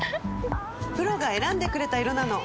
プロが選んでくれた色なの！